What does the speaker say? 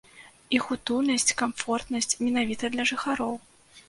Іх утульнасць, камфортнасць менавіта для жыхароў.